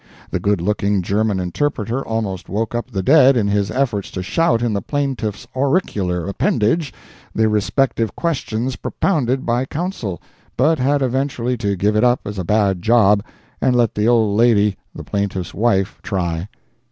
The good looking German interpreter almost woke up the dead in his efforts to shout in the plaintiff's auricular appendage the respective questions propounded by counsel, but had eventually to give it up as a bad job and let the old lady the plaintiff's wife, try.